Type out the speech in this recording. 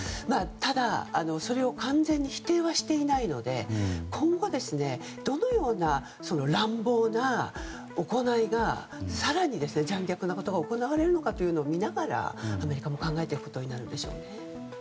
ただ、それを完全に否定はしていないので今後、どのような乱暴な行いが更に残虐なことが行われるのかというのを見ながらアメリカも考えていくことになるでしょうね。